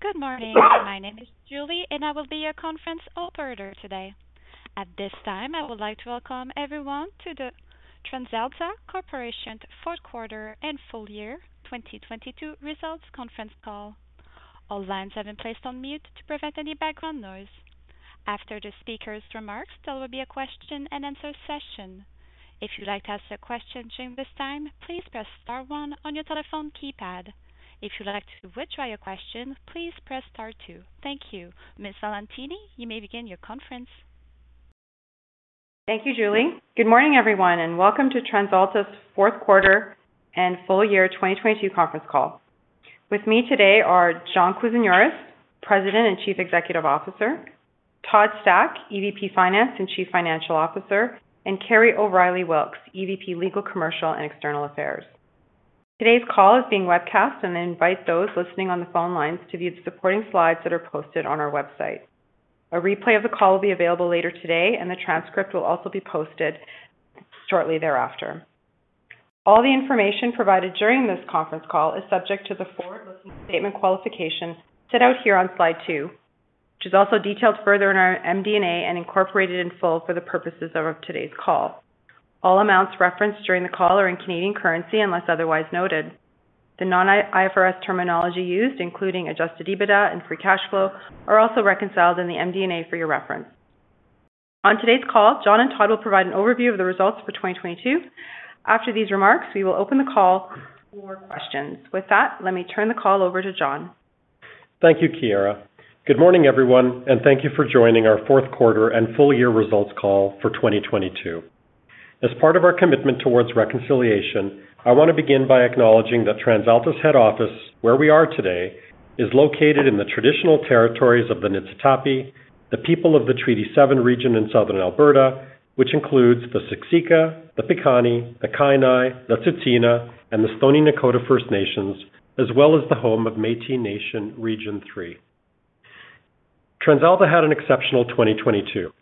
Good morning. My name is Julie, and I will be your conference operator today. At this time, I would like to welcome everyone to the TransAlta Corporation Fourth Quarter and Full Year 2022 Results Conference Call. All lines have been placed on mute to prevent any background noise. After the speaker's remarks, there will be a question-and-answer session. If you'd like to ask a question during this time, please press star one on your telephone keypad. If you'd like to withdraw your question, please press star two. Thank you. Ms. Valentini, you may begin your conference. Thank you, Julie. Good morning, everyone, welcome to TransAlta's fourth quarter and full year 2022 conference call. With me today are John Kousinioris, President and Chief Executive Officer, Todd Stack, EVP Finance and Chief Financial Officer, and Kerry O'Reilly Wilks, EVP Legal, Commercial and External Affairs. Today's call is being webcast. I invite those listening on the phone lines to view the supporting slides that are posted on our website. A replay of the call will be available later today. The transcript will also be posted shortly thereafter. All the information provided during this conference call is subject to the forward-looking statement qualifications set out here on slide 2, which is also detailed further in our MD&A and incorporated in full for the purposes of today's call. All amounts referenced during the call are in Canadian currency, unless otherwise noted. The non-IFRS terminology used, including adjusted EBITDA and free cash flow, are also reconciled in the MD&A for your reference. On today's call, John and Todd will provide an overview of the results for 2022. After these remarks, we will open the call for questions. With that, let me turn the call over to John. Thank you, Kiera. Good morning, everyone, and thank you for joining our fourth quarter and full year results call for 2022. As part of our commitment towards reconciliation, I want to begin by acknowledging that TransAlta's head office, where we are today, is located in the traditional territories of the Niitsitapi, the people of the Treaty seven region in Southern Alberta, which includes the Siksika, the Piikani, the Kainai, the Tsuut'ina, and the Stoney Nakoda First Nations, as well as the home of Métis Nation Region 3. TransAlta had an exceptional 2022.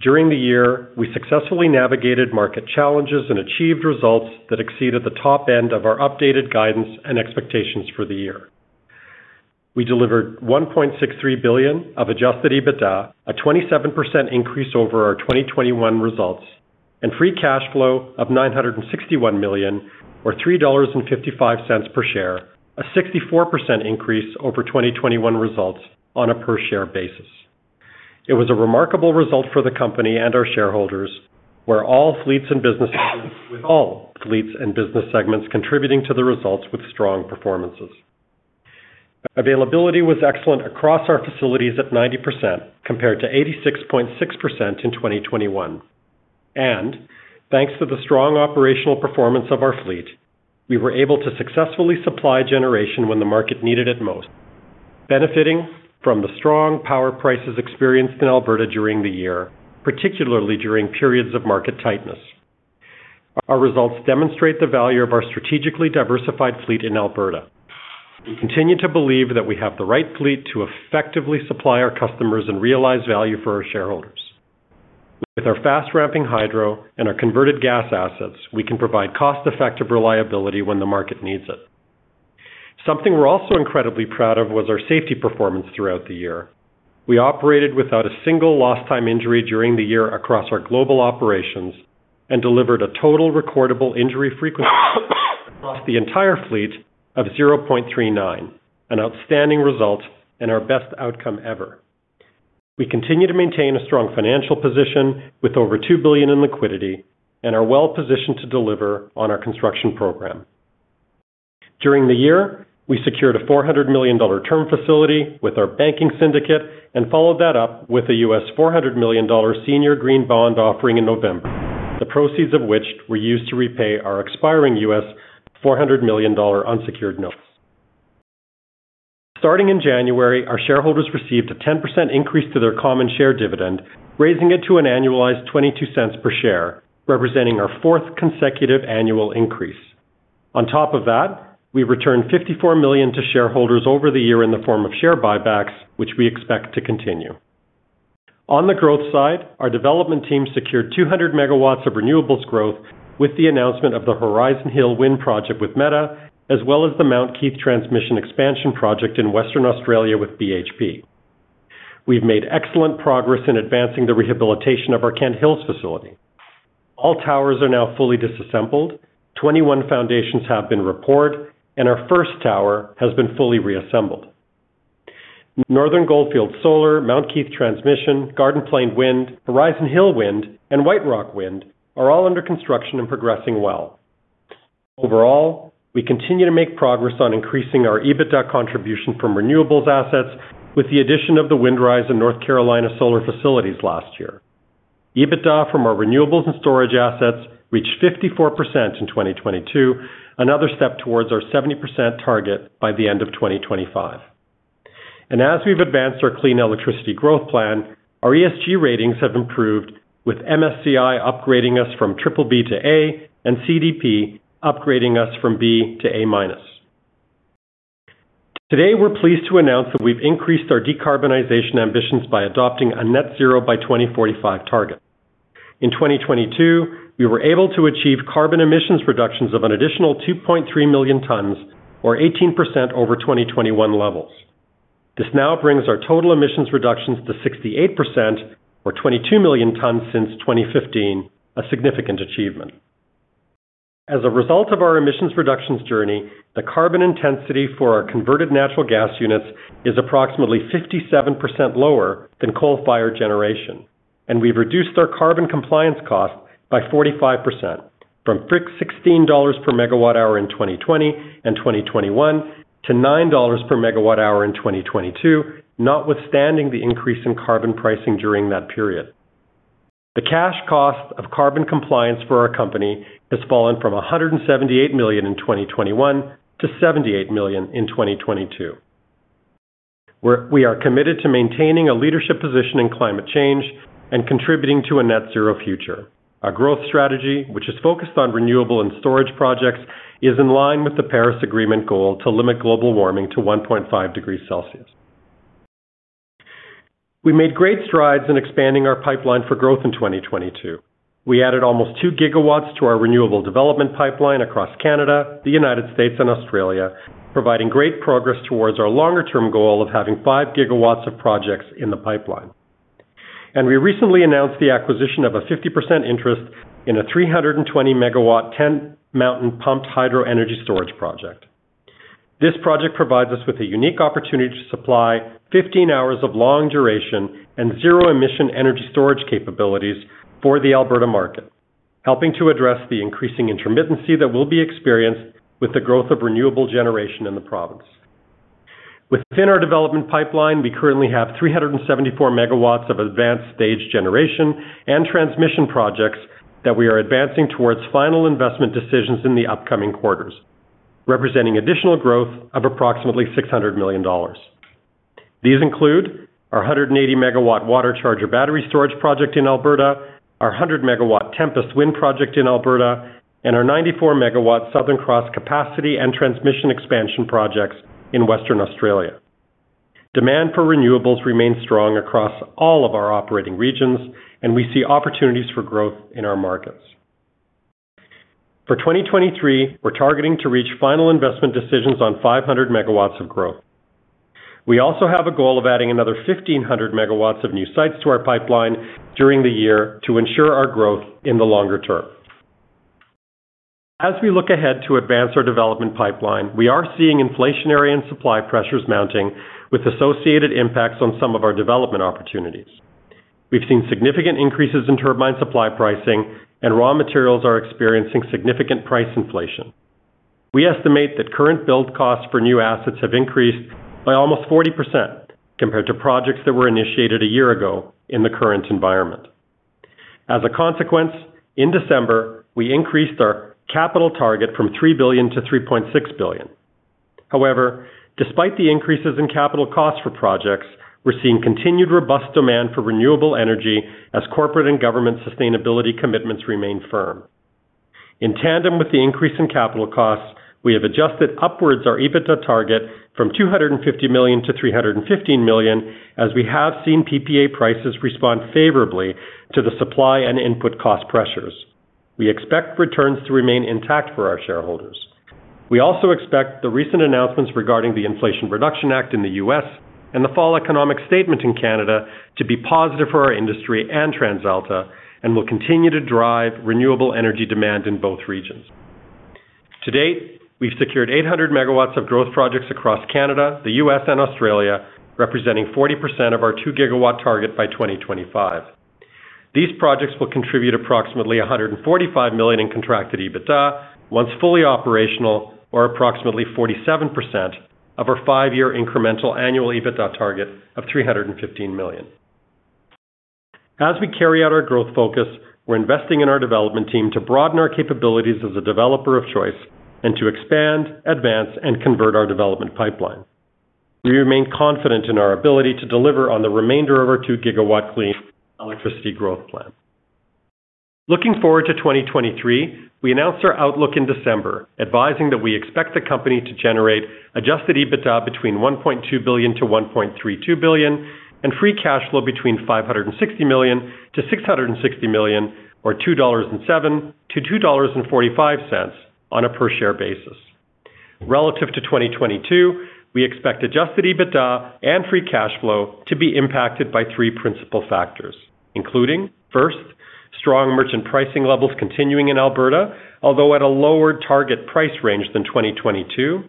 During the year, we successfully navigated market challenges and achieved results that exceeded the top end of our updated guidance and expectations for the year. We delivered 1.63 billion of adjusted EBITDA, a 27% increase over our 2021 results, and free cash flow of 961 million or 3.55 dollars per share, a 64% increase over 2021 results on a per-share basis. It was a remarkable result for the company and our shareholders, with all fleets and business segments contributing to the results with strong performances. Availability was excellent across our facilities at 90%, compared to 86.6% in 2021. Thanks to the strong operational performance of our fleet, we were able to successfully supply generation when the market needed it most, benefiting from the strong power prices experienced in Alberta during the year, particularly during periods of market tightness. Our results demonstrate the value of our strategically diversified fleet in Alberta. We continue to believe that we have the right fleet to effectively supply our customers and realize value for our shareholders. With our fast-ramping hydro and our converted gas assets, we can provide cost-effective reliability when the market needs it. Something we're also incredibly proud of was our safety performance throughout the year. We operated without a single lost time injury during the year across our global operations and delivered a total recordable injury frequency across the entire fleet of 0.39, an outstanding result and our best outcome ever. We continue to maintain a strong financial position with over 2 billion in liquidity and are well positioned to deliver on our construction program. During the year, we secured a $400 million term facility with our banking syndicate and followed that up with a U.S. $400 million senior green bond offering in November, the proceeds of which were used to repay our expiring U.S. $400 million unsecured notes. Starting in January, our shareholders received a 10% increase to their common share dividend, raising it to an annualized $0.22 per share, representing our fourth consecutive annual increase. On top of that, we returned $54 million to shareholders over the year in the form of share buybacks, which we expect to continue. On the growth side, our development team secured 200 MW of renewables growth with the announcement of the Horizon Hill Wind Project with Meta, as well as the Mount Keith Transmission Expansion Project in Western Australia with BHP. We've made excellent progress in advancing the rehabilitation of our Kent Hills facility. All towers are now fully disassembled, 21 foundations have been repoured, and our first tower has been fully reassembled. Northern Goldfields Solar, Mount Keith Transmission, Garden Plain Wind, Horizon Hill Wind, and White Rock Wind are all under construction and progressing well. Overall, we continue to make progress on increasing our EBITDA contribution from renewables assets with the addition of the Windrise and North Carolina solar facilities last year. EBITDA from our renewables and storage assets reached 54% in 2022, another step towards our 70% target by the end of 2025. As we've advanced our clean electricity growth plan, our ESG ratings have improved, with MSCI upgrading us from BBB to A and CDP upgrading us from B to A-. Today, we're pleased to announce that we've increased our decarbonization ambitions by adopting a net zero by 2045 target. In 2022, we were able to achieve carbon emissions reductions of an additional 2.3 million tons or 18% over 2021 levels. This now brings our total emissions reductions to 68% or 22 million tons since 2015, a significant achievement. As a result of our emissions reductions journey, the carbon intensity for our converted natural gas units is approximately 57% lower than coal-fired generation, and we've reduced our carbon compliance costs by 45% from 16 dollars per megawatt-hour in 2020 and 2021 to 9 dollars per megawatt-hour in 2022, notwithstanding the increase in carbon pricing during that period. The cash cost of carbon compliance for our company has fallen from 178 million in 2021 to 78 million in 2022. We are committed to maintaining a leadership position in climate change and contributing to a net zero future. Our growth strategy, which is focused on renewable and storage projects, is in line with the Paris Agreement goal to limit global warming to 1.5 degrees Celsius. We made great strides in expanding our pipeline for growth in 2022. We added almost 2 GW to our renewable development pipeline across Canada, the United States, and Australia, providing great progress towards our longer-term goal of having 5 GW of projects in the pipeline. We recently announced the acquisition of a 50% interest in a 320 MW Tent Mountain pumped hydro energy storage project. This project provides us with a unique opportunity to supply 15 hours of long duration and zero-emission energy storage capabilities for the Alberta market, helping to address the increasing intermittency that will be experienced with the growth of renewable generation in the province. Within our development pipeline, we currently have 374 MW of advanced stage generation and transmission projects that we are advancing towards final investment decisions in the upcoming quarters, representing additional growth of approximately 600 million dollars. These include our 180 MW Watercharger battery storage project in Alberta, our 100 MW Tempest wind project in Alberta, and our 94 MW Southern Cross capacity and transmission expansion projects in Western Australia. Demand for renewables remains strong across all of our operating regions, and we see opportunities for growth in our markets. For 2023, we're targeting to reach Final Investment Decisions on 500 MW of growth. We also have a goal of adding another 1,500 MW of new sites to our pipeline during the year to ensure our growth in the longer term. As we look ahead to advance our development pipeline, we are seeing inflationary and supply pressures mounting with associated impacts on some of our development opportunities. We've seen significant increases in turbine supply pricing, and raw materials are experiencing significant price inflation. We estimate that current build costs for new assets have increased by almost 40% compared to projects that were initiated a year ago in the current environment. As a consequence, in December, we increased our capital target from 3 billion to 3.6 billion. However, despite the increases in capital costs for projects, we're seeing continued robust demand for renewable energy as corporate and government sustainability commitments remain firm. In tandem with the increase in capital costs, we have adjusted upwards our EBITDA target from 250 million to 315 million as we have seen PPA prices respond favorably to the supply and input cost pressures. We expect returns to remain intact for our shareholders. We also expect the recent announcements regarding the Inflation Reduction Act in the U.S. and the Fall Economic Statement in Canada to be positive for our industry and TransAlta and will continue to drive renewable energy demand in both regions. To date, we've secured 800 MW of growth projects across Canada, the U.S., and Australia, representing 40% of our 2 GW target by 2025. These projects will contribute approximately 145 million in contracted EBITDA once fully operational or approximately 47% of our five year incremental annual EBITDA target of 315 million. As we carry out our growth focus, we're investing in our development team to broaden our capabilities as a developer of choice and to expand, advance, and convert our development pipeline. We remain confident in our ability to deliver on the remainder of our 2 GW clean electricity growth plan. Looking forward to 2023, we announced our outlook in December, advising that we expect the company to generate adjusted EBITDA between 1.2 billion-1.32 billion and free cash flow between 560 million-660 million or 2.07-2.45 dollars on a per share basis. Relative to 2022, we expect adjusted EBITDA and free cash flow to be impacted by three principal factors, including, first, strong merchant pricing levels continuing in Alberta, although at a lower target price range than 2022.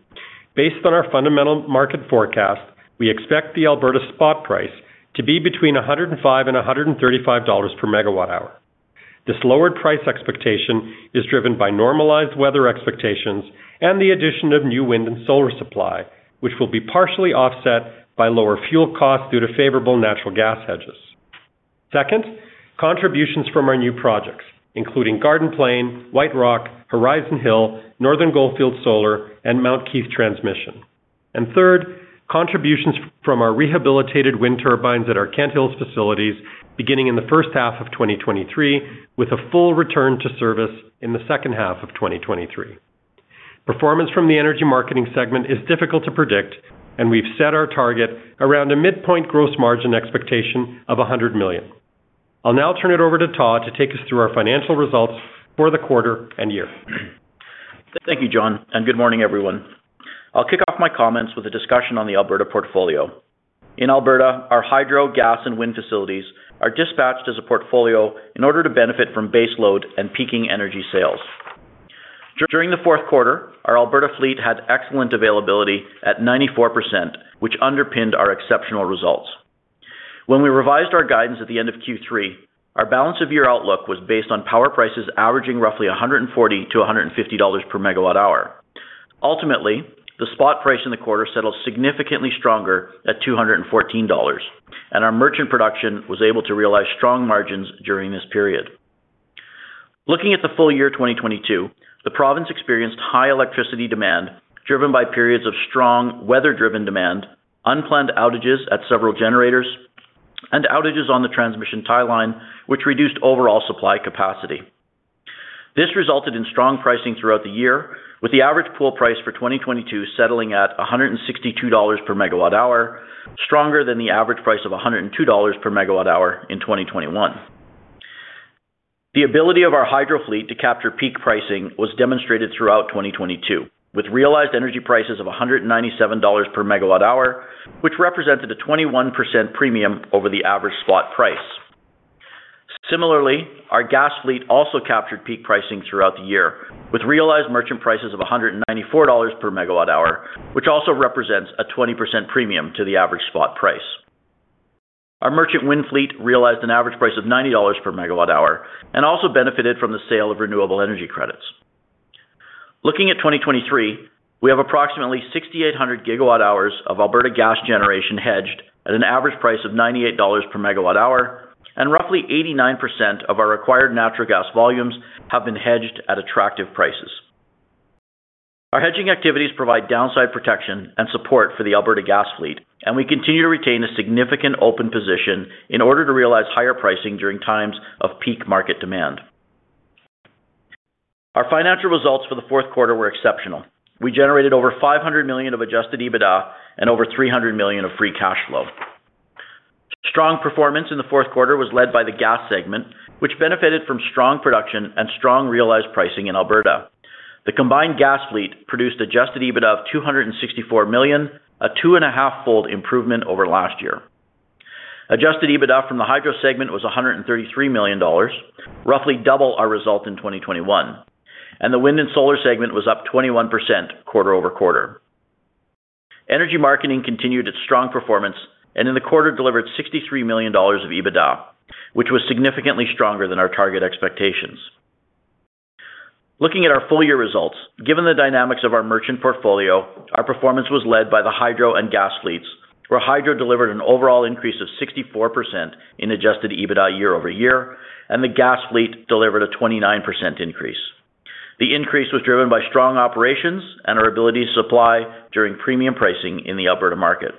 Based on our fundamental market forecast, we expect the Alberta spot price to be between 105 and 135 dollars per MWh. This lowered price expectation is driven by normalized weather expectations and the addition of new wind and solar supply, which will be partially offset by lower fuel costs due to favorable natural gas hedges. Second, contributions from our new projects, including Garden Plain, White Rock, Horizon Hill, Northern Goldfields Solar, and Mount Keith Transmission. Third, contributions from our rehabilitated wind turbines at our Kent Hills facilities beginning in the first half of 2023, with a full return to service in the second half of 2023. Performance from the energy marketing segment is difficult to predict, and we've set our target around a midpoint gross margin expectation of 100 million. I'll now turn it over to Todd to take us through our financial results for the quarter and year. Thank you, John. Good morning, everyone. I'll kick off my comments with a discussion on the Alberta portfolio. In Alberta, our hydro, gas, and wind facilities are dispatched as a portfolio in order to benefit from baseload and peaking energy sales. During the fourth quarter, our Alberta fleet had excellent availability at 94%, which underpinned our exceptional results. When we revised our guidance at the end of Q3, our balance of year outlook was based on power prices averaging roughly 140-150 dollars per megawatt hour. Ultimately, the spot price in the quarter settled significantly stronger at 214 dollars, and our merchant production was able to realize strong margins during this period. Looking at the full year, 2022, the province experienced high electricity demand, driven by periods of strong weather-driven demand, unplanned outages at several generators, and outages on the transmission tie line, which reduced overall supply capacity. This resulted in strong pricing throughout the year, with the average pool price for 2022 settling at 162 dollars per MWh, stronger than the average price of 102 dollars per MWh in 2021. The ability of our hydro fleet to capture peak pricing was demonstrated throughout 2022, with realized energy prices of 197 dollars per MWh, which represented a 21% premium over the average spot price. Similarly, our gas fleet also captured peak pricing throughout the year with realized merchant prices of 194 dollars per MWh, which also represents a 20% premium to the average spot price. Our merchant Wind fleet realized an average price of 90 dollars per MWh and also benefited from the sale of renewable energy credits. Looking at 2023, we have approximately 6,800 GWh of Alberta gas generation hedged at an average price of 98 dollars per MWh, and roughly 89% of our acquired natural gas volumes have been hedged at attractive prices. Our hedging activities provide downside protection and support for the Alberta gas fleet, and we continue to retain a significant open position in order to realize higher pricing during times of peak market demand. Our financial results for the fourth quarter were exceptional. We generated over 500 million of adjusted EBITDA and over 300 million of free cash flow. Strong performance in the fourth quarter was led by the gas segment, which benefited from strong production and strong realized pricing in Alberta. The combined gas fleet produced adjusted EBITDA of 264 million, a two and a half fold improvement over last year. Adjusted EBITDA from the hydro segment was 133 million dollars, roughly double our result in 2021, and the wind and solar segment was up 21% quarter-over-quarter. Energy marketing continued its strong performance and in the quarter delivered 63 million dollars of EBITDA, which was significantly stronger than our target expectations. Looking at our full year results, given the dynamics of our merchant portfolio, our performance was led by the hydro and gas fleets, where hydro delivered an overall increase of 64% in adjusted EBITDA year-over-year, and the gas fleet delivered a 29% increase. The increase was driven by strong operations and our ability to supply during premium pricing in the Alberta market.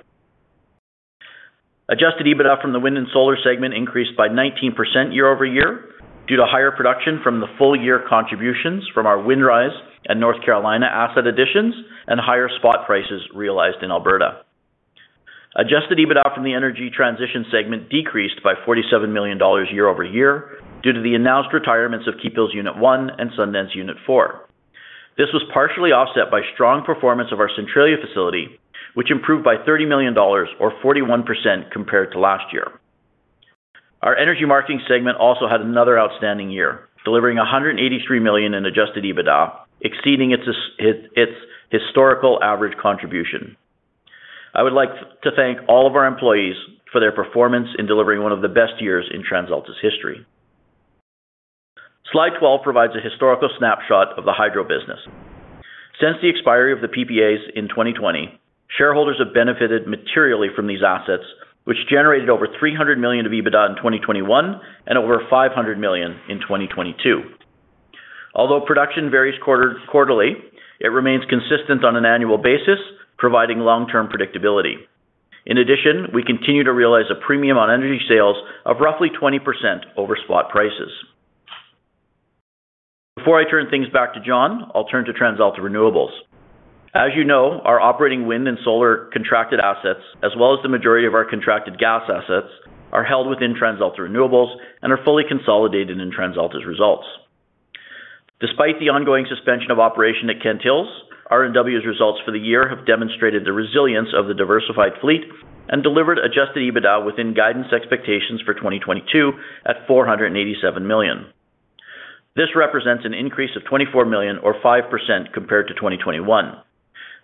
Adjusted EBITDA from the wind and solar segment increased by 19% year-over-year due to higher production from the full year contributions from our Windrise and North Carolina asset additions and higher spot prices realized in Alberta. Adjusted EBITDA from the energy transition segment decreased by 47 million dollars year-over-year due to the announced retirements of Keephills Unit 1 and Sundance Unit 4. This was partially offset by strong performance of our Centralia facility, which improved by 30 million dollars or 41% compared to last year. Our energy marketing segment also had another outstanding year, delivering 183 million in adjusted EBITDA, exceeding its historical average contribution. I would like to thank all of our employees for their performance in delivering one of the best years in TransAlta's history. Slide 12 provides a historical snapshot of the hydro business. Since the expiry of the PPAs in 2020, shareholders have benefited materially from these assets, which generated over 300 million of EBITDA in 2021 and over 500 million in 2022. Although production varies quarter-quarterly, it remains consistent on an annual basis, providing long-term predictability. In addition, we continue to realize a premium on energy sales of roughly 20% over spot prices. Before I turn things back to John, I'll turn to TransAlta Renewables. As you know, our operating wind and solar contracted assets, as well as the majority of our contracted gas assets, are held within TransAlta Renewables and are fully consolidated in TransAlta's results. Despite the ongoing suspension of operation at Kent Hills, RNW's results for the year have demonstrated the resilience of the diversified fleet and delivered adjusted EBITDA within guidance expectations for 2022 at 487 million. This represents an increase of 24 million or 5% compared to 2021.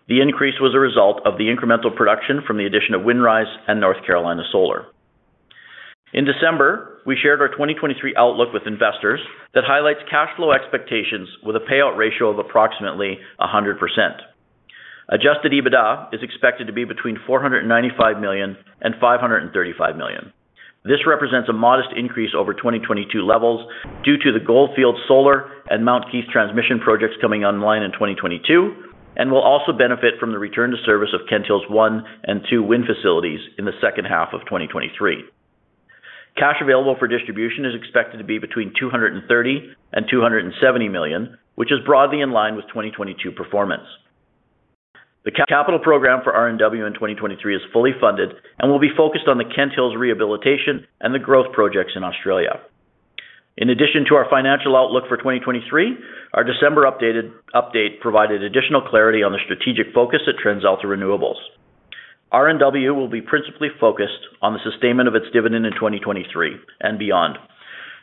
The increase was a result of the incremental production from the addition of Windrise and North Carolina Solar. In December, we shared our 2023 outlook with investors that highlights cash flow expectations with a payout ratio of approximately 100%. Adjusted EBITDA is expected to be between 495 million and 535 million. This represents a modest increase over 2022 levels due to the Goldfield Solar and Mount Keith transmission projects coming online in 2022, and will also benefit from the return to service of Kent Hills One and Two wind facilities in the second half of 2023. Cash available for distribution is expected to be between 230 million and 270 million, which is broadly in line with 2022 performance. The capital program for RNW in 2023 is fully funded and will be focused on the Kent Hills rehabilitation and the growth projects in Australia. In addition to our financial outlook for 2023, our December update provided additional clarity on the strategic focus at TransAlta Renewables. RNW will be principally focused on the sustainment of its dividend in 2023 and beyond.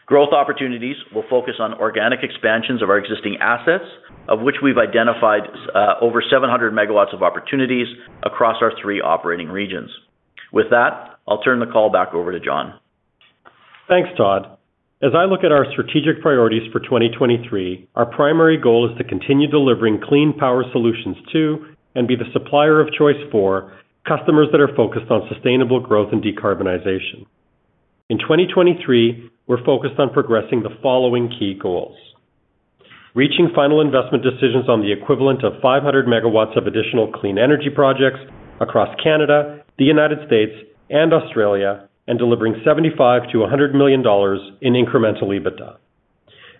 Growth opportunities will focus on organic expansions of our existing assets, of which we've identified, over 700 megawatts of opportunities across our three operating regions. With that, I'll turn the call back over to John. Thanks, Todd. As I look at our strategic priorities for 2023, our primary goal is to continue delivering clean power solutions to and be the supplier of choice for customers that are focused on sustainable growth and decarbonization. In 2023, we're focused on progressing the following key goals. Reaching final investment decisions on the equivalent of 500 MW of additional clean energy projects across Canada, the United States, and Australia, and delivering 75 million-100 million dollars in incremental EBITDA.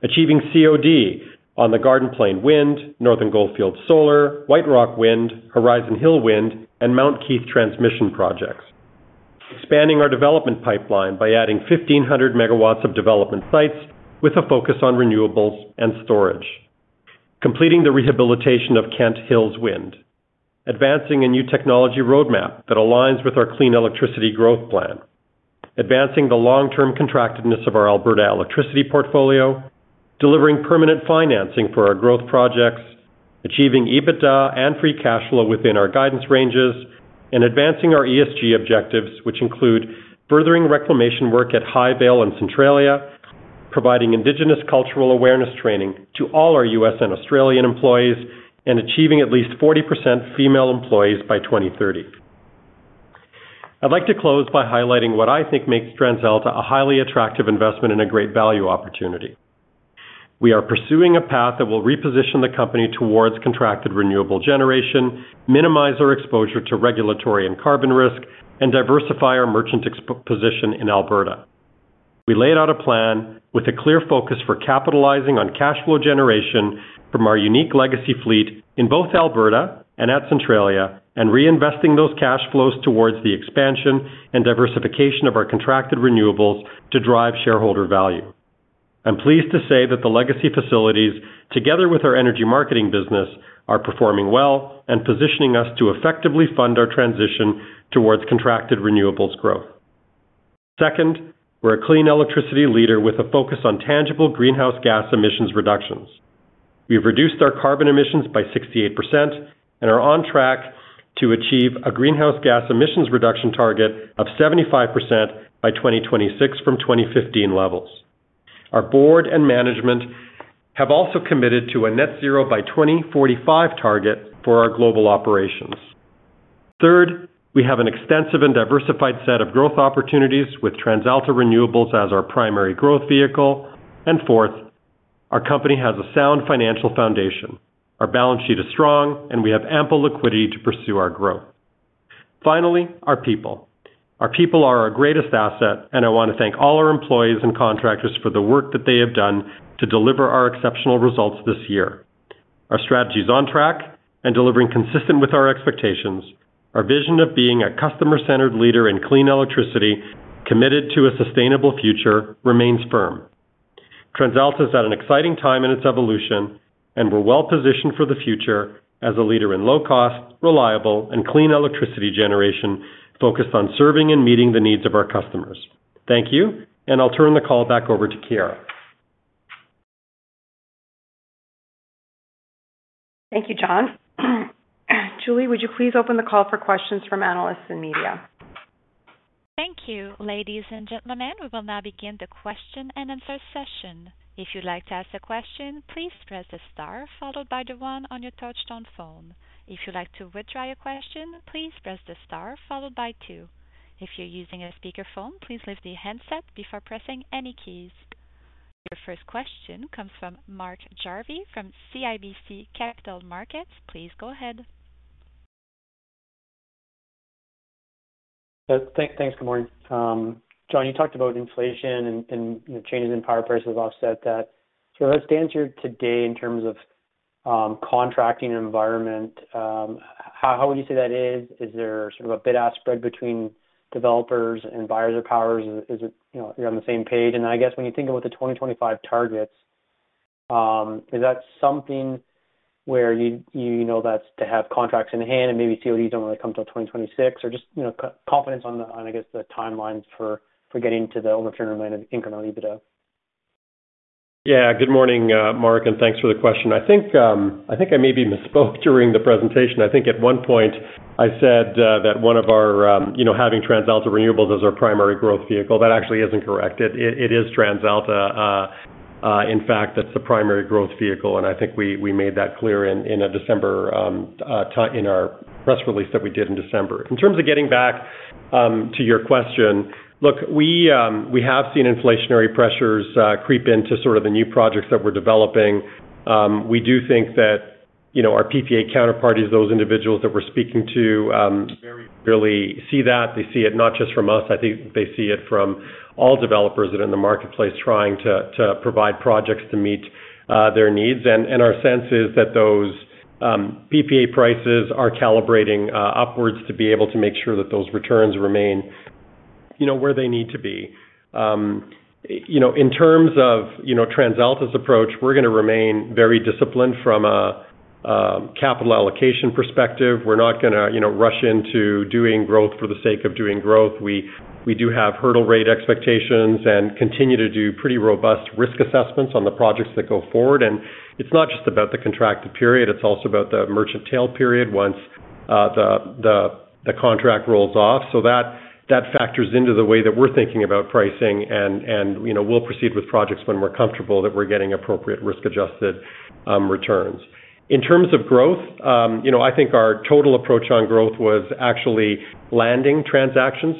Achieving COD on the Garden Plain Wind, Northern Goldfields Solar, White Rock Wind, Horizon Hill Wind, and Mount Keith transmission projects. Expanding our development pipeline by adding 1,500 MW of development sites with a focus on renewables and storage. Completing the rehabilitation of Kent Hills Wind. Advancing a new technology roadmap that aligns with our clean electricity growth plan. Advancing the long-term contractiveness of our Alberta electricity portfolio. Delivering permanent financing for our growth projects. Achieving EBITDA and free cash flow within our guidance ranges. Advancing our ESG objectives, which include furthering reclamation work at Highvale and Centralia, providing indigenous cultural awareness training to all our U.S. and Australian employees, and achieving at least 40% female employees by 2030. I'd like to close by highlighting what I think makes TransAlta a highly attractive investment and a great value opportunity. We are pursuing a path that will reposition the company towards contracted renewable generation, minimize our exposure to regulatory and carbon risk, and diversify our merchant expo-position in Alberta. We laid out a plan with a clear focus for capitalizing on cash flow generation from our unique legacy fleet in both Alberta and at Centralia, and reinvesting those cash flows towards the expansion and diversification of our contracted renewables to drive shareholder value. I'm pleased to say that the legacy facilities, together with our energy marketing business, are performing well and positioning us to effectively fund our transition towards contracted renewables growth. Second, we're a clean electricity leader with a focus on tangible greenhouse gas emissions reductions. We've reduced our carbon emissions by 68% and are on track to achieve a greenhouse gas emissions reduction target of 75% by 2026 from 2015 levels. Our board and management have also committed to a net zero by 2045 target for our global operations. Third, we have an extensive and diversified set of growth opportunities with TransAlta Renewables as our primary growth vehicle. Fourth, our company has a sound financial foundation. Our balance sheet is strong, and we have ample liquidity to pursue our growth. Finally, our people. Our people are our greatest asset, and I want to thank all our employees and contractors for the work that they have done to deliver our exceptional results this year. Our strategy is on track and delivering consistent with our expectations. Our vision of being a customer-centered leader in clean electricity, committed to a sustainable future remains firm. TransAlta's at an exciting time in its evolution, and we're well positioned for the future as a leader in low-cost, reliable, and clean electricity generation focused on serving and meeting the needs of our customers. Thank you, and I'll turn the call back over to Chiara. Thank you, John. Julie, would you please open the call for questions from analysts and media? Thank you. Ladies and gentlemen, we will now begin the question and answer session. If you'd like to ask a question, please press the star followed by the one on your touch-tone phone. If you'd like to withdraw your question, please press the star followed by two. If you're using a speakerphone, please lift the handset before pressing any keys. Your first question comes from Mark Jarvi from CIBC Capital Markets. Please go ahead. Thanks. Good morning. John, you talked about inflation and changes in power prices offset that. What's the answer today in terms of contracting environment? How would you say that is? Is there sort of a bid-ask spread between developers and buyers of powers? Is it, you know, you're on the same page? I guess when you think about the 2025 targets, is that something where you know, that's to have contracts in hand and maybe CODs don't really come till 2026? Or just, you know, confidence on I guess the timelines for getting to the overturned amount of incremental EBITDA? Yeah. Good morning, Mark. Thanks for the question. I think I maybe misspoke during the presentation. I think at one point I said that one of our, you know, having TransAlta Renewables as our primary growth vehicle. That actually isn't correct. It is TransAlta, in fact, that's the primary growth vehicle, and I think we made that clear in a December press release that we did in December. In terms of getting back to your question, look, we have seen inflationary pressures creep into sort of the new projects that we're developing. We do think that, you know, our PPA counterparties, those individuals that we're speaking to, very really see that. They see it not just from us, I think they see it from all developers that are in the marketplace trying to provide projects to meet their needs. Our sense is that those PPA prices are calibrating upwards to be able to make sure that those returns remain, you know, where they need to be. In terms of, you know, TransAlta's approach, we're gonna remain very disciplined from a capital allocation perspective. We're not gonna, you know, rush into doing growth for the sake of doing growth. We do have hurdle rate expectations and continue to do pretty robust risk assessments on the projects that go forward. It's not just about the contracted period, it's also about the merchant tail period once the contract rolls off. That factors into the way that we're thinking about pricing. you know, we'll proceed with projects when we're comfortable that we're getting appropriate risk-adjusted returns. In terms of growth, you know, I think our total approach on growth was actually landing transactions,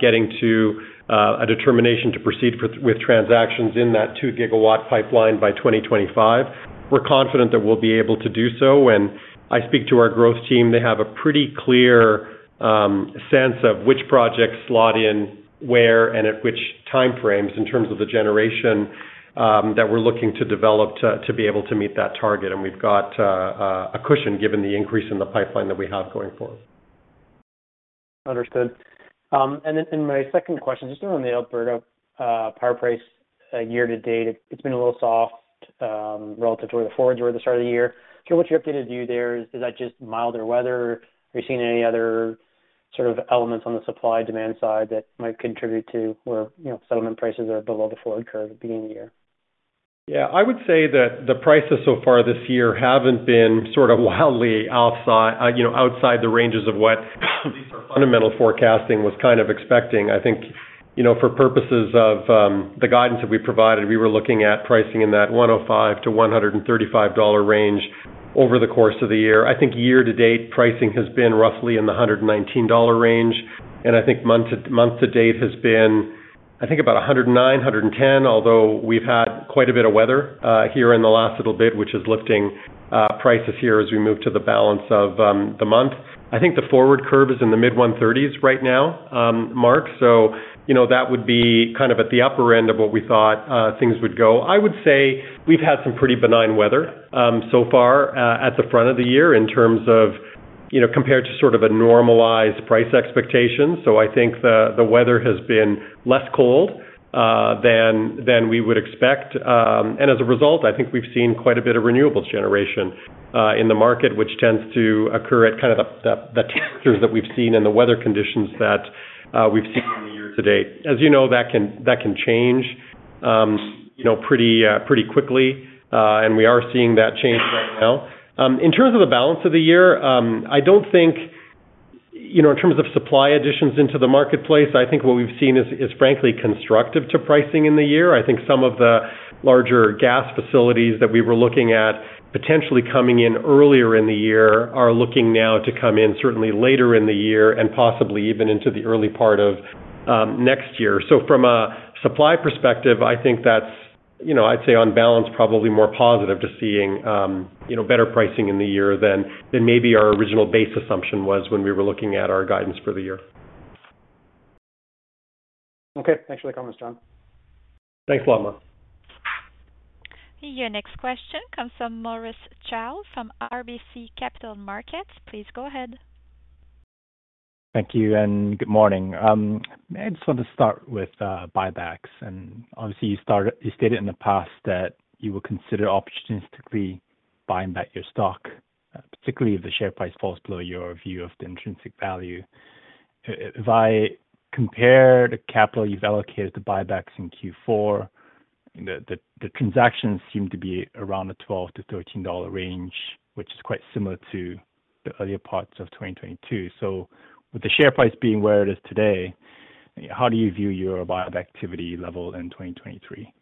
getting to a determination to proceed with transactions in that two gigawatt pipeline by 2025. We're confident that we'll be able to do so. When I speak to our growth team, they have a pretty clear sense of which projects slot in where and at which time frames in terms of the generation that we're looking to develop to be able to meet that target. We've got a cushion given the increase in the pipeline that we have going forward. Understood. My second question, just on the Alberta power price year to date, it's been a little soft relative to where the forwards were at the start of the year. What's your updated view there? Is that just milder weather? Are you seeing any other sort of elements on the supply/demand side that might contribute to where, you know, settlement prices are below the forward curve at the beginning of the year? Yeah. I would say that the prices so far this year haven't been sort of wildly outside, you know, outside the ranges of what at least our fundamental forecasting was kind of expecting. I think, you know, for purposes of the guidance that we provided, we were looking at pricing in that 105-135 dollar range over the course of the year. I think year to date, pricing has been roughly in the 119 dollar range. I think month to date has been, I think about 109, 110, although we've had quite a bit of weather here in the last little bit, which is lifting prices here as we move to the balance of the month. I think the forward curve is in the mid CAD 130s right now, Mark. you know, that would be kind of at the upper end of what we thought things would go. I would say we've had some pretty benign weather so far at the front of the year in terms of, you know, compared to sort of a normalized price expectation. I think the weather has been less cold than we would expect. As a result, I think we've seen quite a bit of renewables generation in the market, which tends to occur at kind of the temperatures that we've seen and the weather conditions that we've seen in the year to date. As you know, that can change, you know, pretty quickly. We are seeing that change right now. In terms of the balance of the year, you know, in terms of supply additions into the marketplace, I think what we've seen is frankly constructive to pricing in the year. I think some of the larger gas facilities that we were looking at potentially coming in earlier in the year are looking now to come in certainly later in the year and possibly even into the early part of next year. From a supply perspective, I think that's, you know, I'd say on balance, probably more positive to seeing, you know, better pricing in the year than maybe our original base assumption was when we were looking at our guidance for the year. Okay. Thanks for the comments, John. Thanks a lot, Mark. Your next question comes from Maurice Choy from RBC Capital Markets. Please go ahead. Thank you and good morning. I just want to start with buybacks. Obviously, you stated in the past that you will consider opportunistically buying back your stock, particularly if the share price falls below your view of the intrinsic value. If I compare the capital you've allocated to buybacks in Q4, the transactions seem to be around the $12-$13 range, which is quite similar to the earlier parts of 2022. With the share price being where it is today, how do you view your buyback activity level in 2023?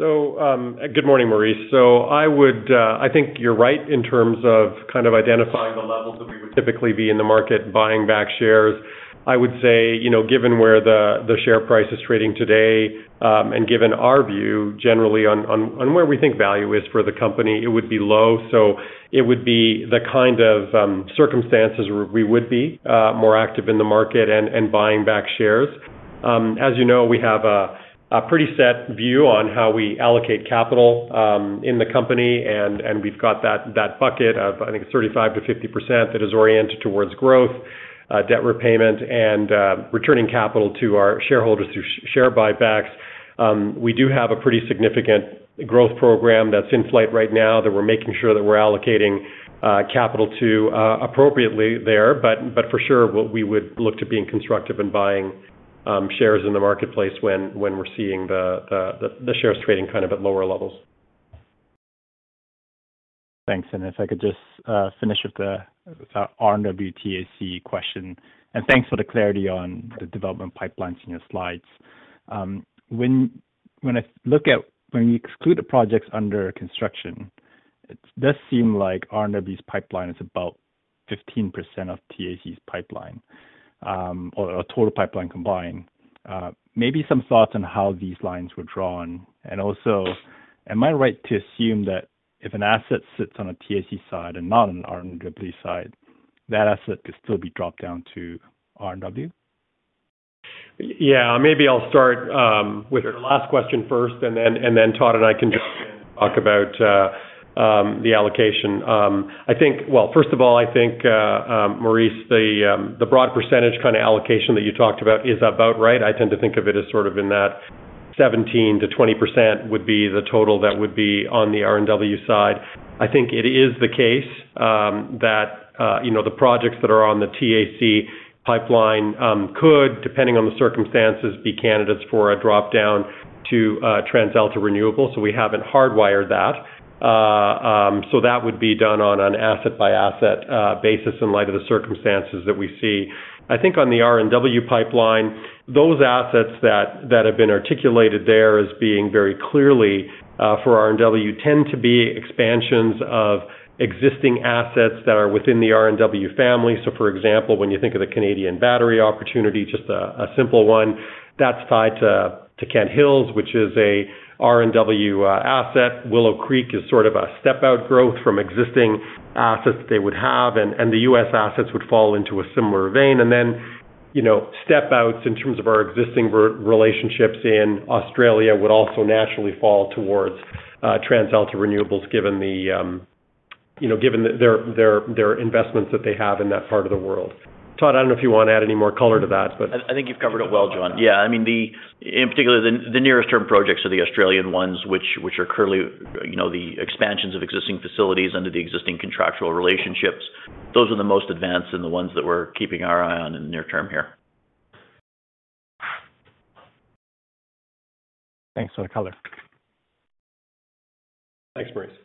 Good morning, Maurice. I think you're right in terms of kind of identifying the levels that we would typically be in the market buying back shares. I would say, you know, given where the share price is trading today, and given our view generally on where we think value is for the company, it would be low. It would be the kind of circumstances where we would be more active in the market and buying back shares. As you know, we have a pretty set view on how we allocate capital in the company. We've got that bucket of, I think it's 35%-50% that is oriented towards growth, debt repayment and returning capital to our shareholders through share buybacks. We do have a pretty significant growth program that's in flight right now that we're making sure that we're allocating capital to appropriately there. For sure, we would look to being constructive and buying shares in the marketplace when we're seeing the shares trading kind of at lower levels. Thanks. If I could just finish with the R&WTAC question. Thanks for the clarity on the development pipelines in your slides. When I look at when you exclude the projects under construction, it does seem like RNW's pipeline is about 15% of TAC's pipeline, or total pipeline combined. Maybe some thoughts on how these lines were drawn. Also, am I right to assume that if an asset sits on a TAC side and not on RNW side, that asset could still be dropped down to RNW? Maybe I'll start with your last question first, and then Todd and I can jump in and talk about the allocation. Well, first of all, I think Maurice, the broad percentage kind of allocation that you talked about is about right. I tend to think of it as sort of in that 17%-20% would be the total that would be on the RNW side. I think it is the case that, you know, the projects that are on the TAC pipeline could, depending on the circumstances, be candidates for a drop-down to TransAlta Renewable. We haven't hardwired that. That would be done on an asset-by-asset basis in light of the circumstances that we see. I think on the RNW pipeline, those assets that have been articulated there as being very clearly for RNW tend to be expansions of existing assets that are within the RNW family. For example, when you think of the Canadian battery opportunity, just a simple one, that's tied to Kent Hills, which is a RNW asset. Willow Creek is sort of a step out growth from existing assets that they would have, and the U.S. assets would fall into a similar vein. Then, you know, step outs in terms of our existing re-relationships in Australia would also naturally fall towards TransAlta Renewables, given the, you know, given their investments that they have in that part of the world. Todd, I don't know if you want to add any more color to that. I think you've covered it well, John. I mean, in particular, the nearest term projects are the Australian ones, which are currently, you know, the expansions of existing facilities under the existing contractual relationships. Those are the most advanced and the ones that we're keeping our eye on in the near term here. Thanks for the color. Thanks, Maurice.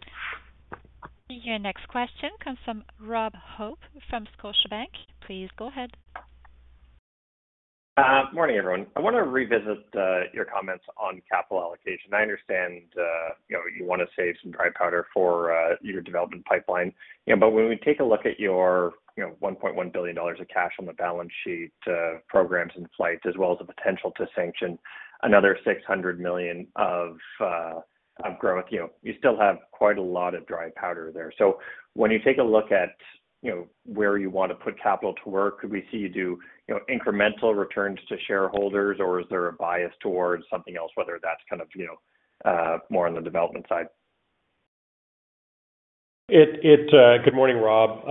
Your next question comes from Rob Hope from Scotiabank. Please go ahead. Morning, everyone. I want to revisit your comments on capital allocation. I understand, you know, you want to save some dry powder for your development pipeline. When we take a look at your, you know, 1.1 billion dollars of cash on the balance sheet, programs in flight, as well as the potential to sanction another 600 million of growth, you know, you still have quite a lot of dry powder there. When you take a look at, you know, where you want to put capital to work, could we see you do, you know, incremental returns to shareholders, or is there a bias towards something else, whether that's kind of, you know, more on the development side? Good morning, Rob.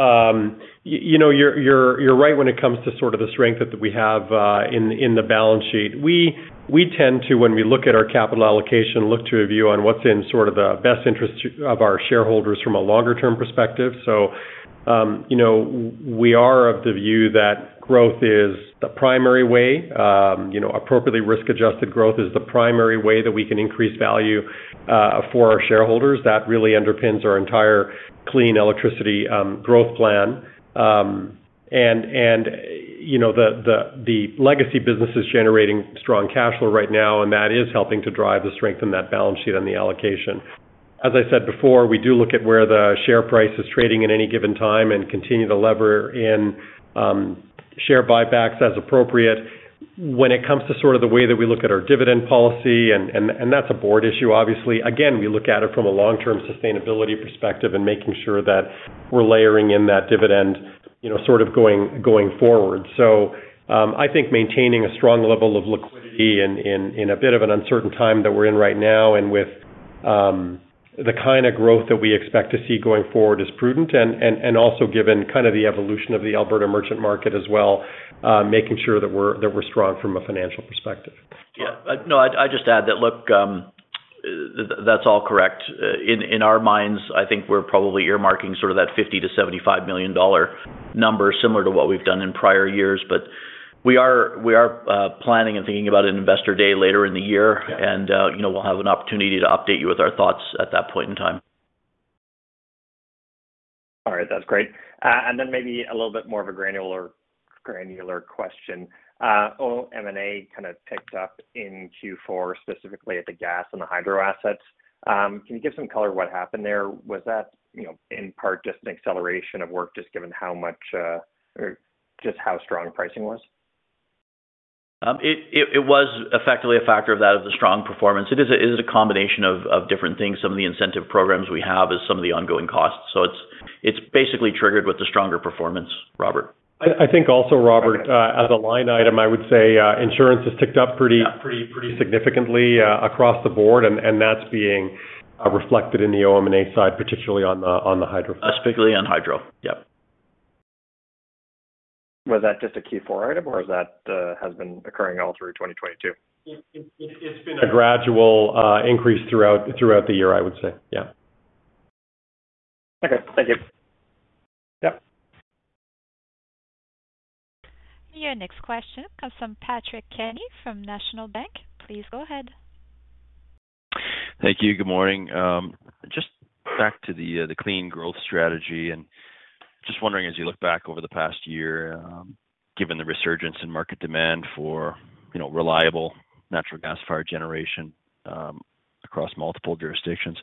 You know, you're right when it comes to sort of the strength that we have in the balance sheet. We tend to, when we look at our capital allocation, look to a view on what's in sort of the best interest of our shareholders from a longer-term perspective. You know, we are of the view that growth is the primary way, you know, appropriately risk-adjusted growth is the primary way that we can increase value for our shareholders. That really underpins our entire clean electricity growth plan. You know, the legacy business is generating strong cash flow right now, and that is helping to drive the strength in that balance sheet and the allocation. As I said before, we do look at where the share price is trading at any given time and continue to lever in share buybacks as appropriate. When it comes to sort of the way that we look at our dividend policy, and that's a board issue, obviously. Again, we look at it from a long-term sustainability perspective and making sure that we're layering in that dividend, you know, sort of going forward. I think maintaining a strong level of liquidity in a bit of an uncertain time that we're in right now and with the kind of growth that we expect to see going forward is prudent and also given kind of the evolution of the Alberta merchant market as well, making sure that we're strong from a financial perspective. Yeah. No, I just add that look, that's all correct. In our minds, I think we're probably earmarking sort of that 50 million-75 million dollar number similar to what we've done in prior years. We are planning and thinking about an investor day later in the year, and, you know, we'll have an opportunity to update you with our thoughts at that point in time. All right. That's great. Then maybe a little bit more of a granular question. OM&A kind of ticked up in Q4, specifically at the gas and the hydro assets. Can you give some color what happened there? Was that, you know, in part just an acceleration of work, just given how much, or just how strong pricing was? It was effectively a factor of that, of the strong performance. It is a combination of different things. Some of the incentive programs we have is some of the ongoing costs. It's basically triggered with the stronger performance, Robert. I think also, Robert, as a line item, I would say, insurance has ticked up pretty significantly, across the board, and that's being, reflected in the OM&A side, particularly on the hydro. Especially on hydro. Yep. Was that just a Q4 item, or is that, has been occurring all through 2022? It's been a gradual increase throughout the year, I would say. Yeah. Okay. Thank you. Yep. Your next question comes from Patrick Kenny from National Bank. Please go ahead. Thank you. Good morning. Just back to the clean growth strategy. Just wondering, as you look back over the past year, given the resurgence in market demand for, you know, reliable natural gas-fired generation. Across multiple jurisdictions.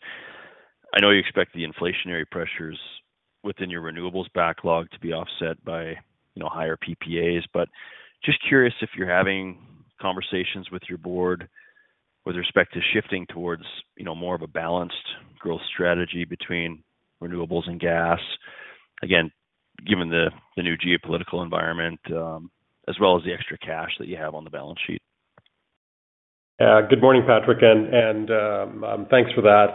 I know you expect the inflationary pressures within your renewables backlog to be offset by, you know, higher PPAs. Just curious if you're having conversations with your board with respect to shifting towards, you know, more of a balanced growth strategy between renewables and gas. Again, given the new geopolitical environment, as well as the extra cash that you have on the balance sheet. Good morning, Patrick, and thanks for that.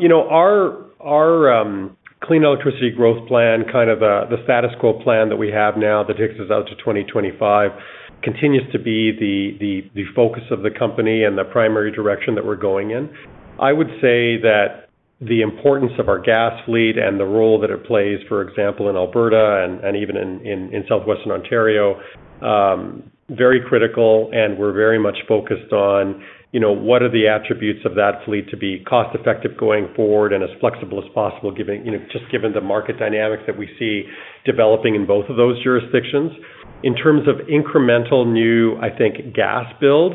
You know, clean electricity growth plan, kind of, the status quo plan that we have now that takes us out to 2025 continues to be the focus of the company and the primary direction that we're going in. I would say that the importance of our gas fleet and the role that it plays, for example, in Alberta and even in Southwestern Ontario, very critical, and we're very much focused on, you know, what are the attributes of that fleet to be cost-effective going forward and as flexible as possible, you know, just given the market dynamics that we see developing in both of those jurisdictions. In terms of incremental new, I think, gas build,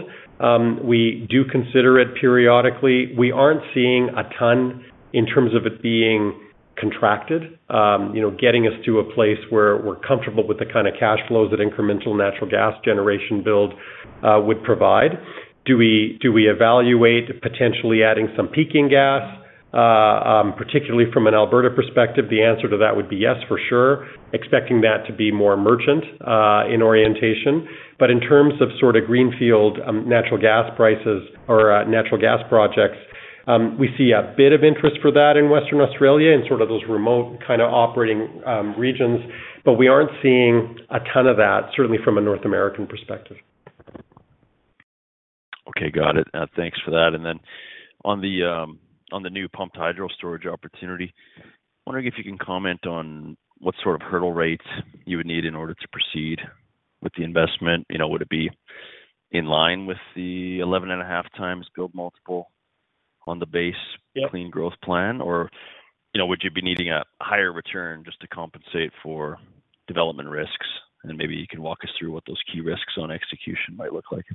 we do consider it periodically. We aren't seeing a ton in terms of it being contracted, you know, getting us to a place where we're comfortable with the kind of cash flows that incremental natural gas generation build would provide. Do we evaluate potentially adding some peaking gas, particularly from an Alberta perspective? The answer to that would be yes, for sure, expecting that to be more merchant in orientation. In terms of sort of greenfield, natural gas prices or natural gas projects, we see a bit of interest for that in Western Australia in sort of those remote kind of operating regions. We aren't seeing a ton of that, certainly from a North American perspective. Okay. Got it. Thanks for that. On the new pumped hydro storage opportunity, wondering if you can comment on what sort of hurdle rates you would need in order to proceed with the investment. You know, would it be in line with the 11.5 times build multiple? Yep. clean growth plan? You know, would you be needing a higher return just to compensate for development risks? Maybe you can walk us through what those key risks on execution might look like?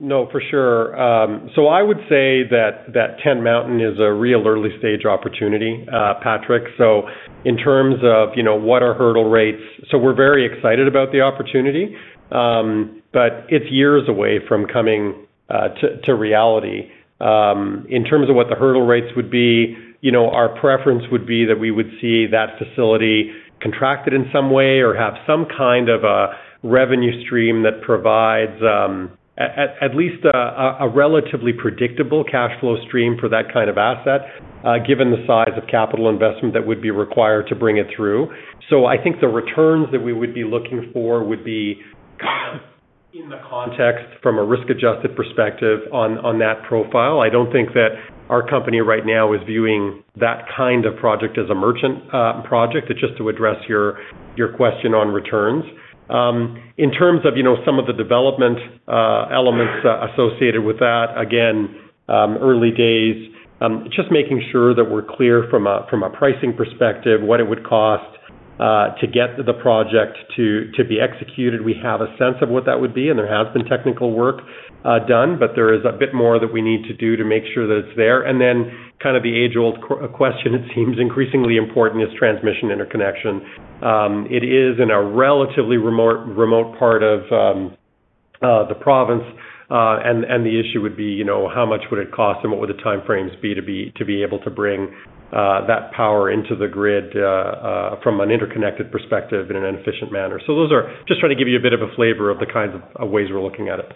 No, for sure. I would say that Tent Mountain is a real early-stage opportunity, Patrick. In terms of, you know, what are hurdle rates? We're very excited about the opportunity, but it's years away from coming to reality. In terms of what the hurdle rates would be, you know, our preference would be that we would see that facility contracted in some way or have some kind of a revenue stream that provides at least a relatively predictable cash flow stream for that kind of asset, given the size of capital investment that would be required to bring it through. I think the returns that we would be looking for would be kind of in the context from a risk-adjusted perspective on that profile. I don't think that our company right now is viewing that kind of project as a merchant project. Just to address your question on returns. In terms of, you know, some of the development elements associated with that, again, early days, just making sure that we're clear from a, from a pricing perspective, what it would cost to get the project to be executed. We have a sense of what that would be, and there has been technical work done, but there is a bit more that we need to do to make sure that it's there. Then kind of the age-old question, it seems increasingly important, is transmission interconnection. It is in a relatively remote part of the province, and the issue would be, you know, how much would it cost and what would the time frames be to be able to bring that power into the grid from an interconnected perspective in an efficient manner. Those are, just trying to give you a bit of a flavor of the kinds of ways we're looking at it.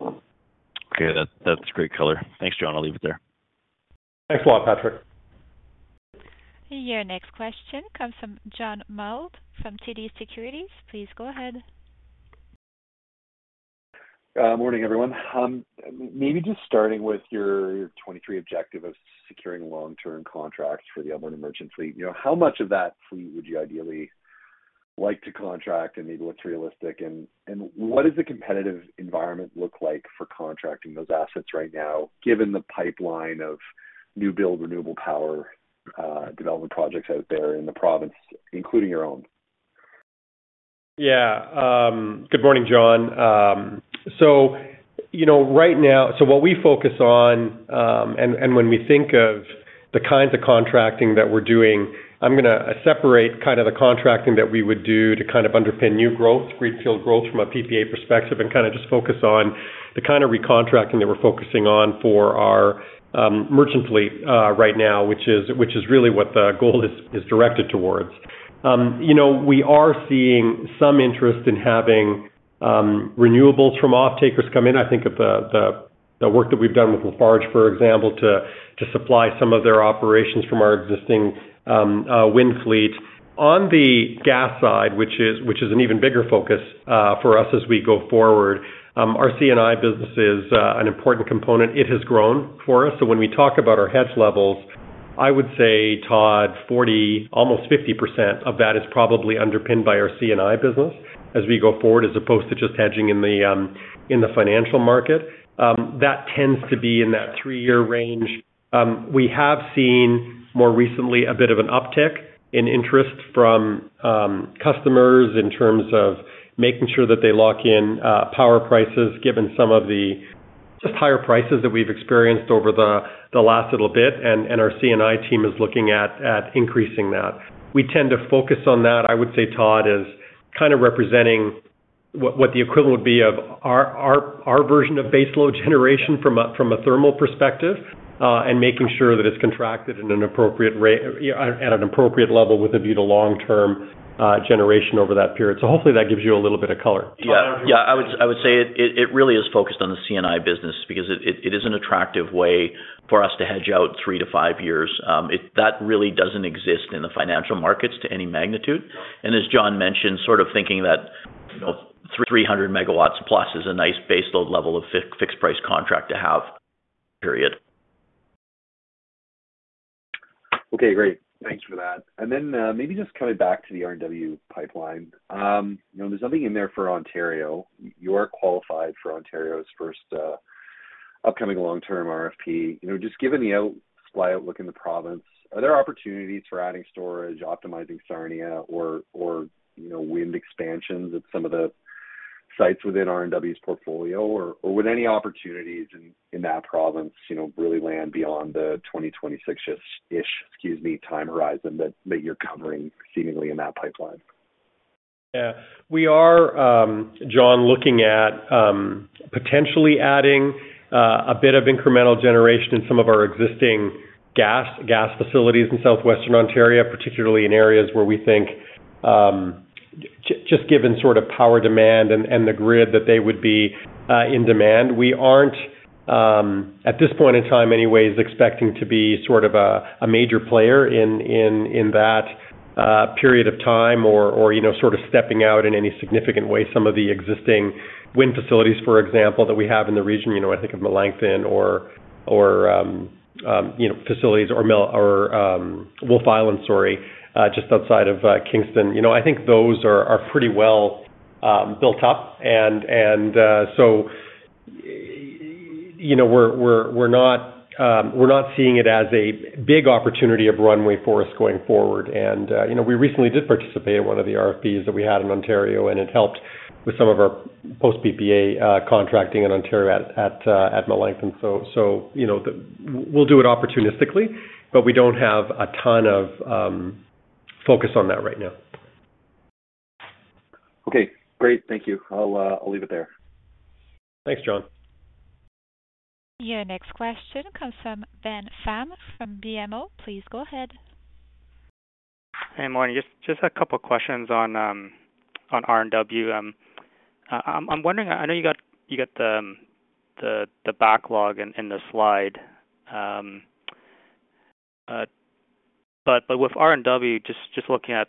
Okay. That's great color. Thanks, John. I'll leave it there. Thanks a lot, Patrick. Your next question comes from John Mould from TD Securities. Please go ahead. Morning, everyone. Maybe just starting with your 23 objective of securing long-term contracts for the Alberta merchant fleet. You know, how much of that fleet would you ideally like to contract and maybe what's realistic? What does the competitive environment look like for contracting those assets right now, given the pipeline of new build renewable power development projects out there in the province, including your own? Yeah. good morning, John. you know, right now. What we focus on, and when we think of the kinds of contracting that we're doing, I'm gonna separate kind of the contracting that we would do to kind of underpin new growth, greenfield growth from a PPA perspective, and kind of just focus on the kind of recontracting that we're focusing on for our merchant fleet, right now, which is really what the goal is directed towards. you know, we are seeing some interest in having renewables from off-takers come in. I think of the work that we've done with Lafarge, for example, to supply some of their operations from our existing wind fleet. On the gas side, which is an even bigger focus for us as we go forward, our C&I business is an important component. It has grown for us. When we talk about our hedge levels, I would say, Todd, 40, almost 50% of that is probably underpinned by our C&I business as we go forward, as opposed to just hedging in the financial market. That tends to be in that 3-year range. We have seen more recently a bit of an uptick in interest from customers in terms of making sure that they lock in power prices, given some of the higher prices that we've experienced over the last little bit, and our C&I team is looking at increasing that. We tend to focus on that, I would say, Todd, as kind of representing what the equivalent would be of our version of base load generation from a thermal perspective, and making sure that it's contracted in an appropriate at an appropriate level with a view to long-term generation over that period. Hopefully that gives you a little bit of color. Yeah. Yeah. I would say it really is focused on the C&I business because it is an attractive way for us to hedge out three to five years. That really doesn't exist in the financial markets to any magnitude. As John mentioned, sort of thinking that, you know, 300 MW plus is a nice base load level of fixed price contract to have, period. Okay, great. Thanks for that. Maybe just coming back to the RNW pipeline. You know, there's nothing in there for Ontario. You're qualified for Ontario's first upcoming long-term RFP. You know, just given the out-supply outlook in the province, are there opportunities for adding storage, optimizing Sarnia or, you know, wind expansions at some of the sites within RNW's portfolio? Would any opportunities in that province, you know, really land beyond the 2026-ish, excuse me, time horizon that you're covering seemingly in that pipeline? We are, John, looking at potentially adding a bit of incremental generation in some of our existing gas facilities in Southwestern Ontario, particularly in areas where we think, just given sort of power demand and the grid that they would be in demand. We aren't at this point in time anyways, expecting to be sort of a major player in that period of time or, you know, sort of stepping out in any significant way. Some of the existing wind facilities, for example, that we have in the region, you know, I think of Melancthon or, you know, facilities or Wolfe Island, sorry, just outside of Kingston. You know, I think those are pretty well built up. you know, we're not seeing it as a big opportunity of runway for us going forward. You know, we recently did participate in one of the RFPs that we had in Ontario, and it helped with some of our post-PPA contracting in Ontario at Melancthon. You know, We'll do it opportunistically, but we don't have a ton of focus on that right now. Okay, great. Thank you. I'll leave it there. Thanks, John. Your next question comes from Ben Pham from BMO. Please go ahead. Hey, morning. Just a couple of questions on RNW. I'm wondering, I know you got the backlog in the slide. With RNW, looking at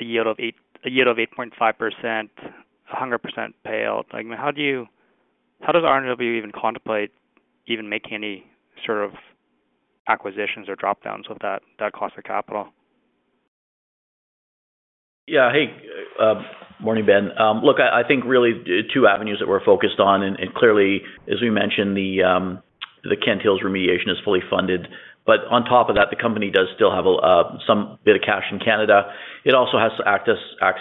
a yield of 8.5%, 100% payout. Like how does RNW even contemplate even making any sort of acquisitions or drop-downs with that cost of capital? Yeah. Hey, morning, Ben. Look, I think really the two avenues that we're focused on. Clearly, as we mentioned, the Kent Hills remediation is fully funded. On top of that, the company does still have some bit of cash in Canada. It also has access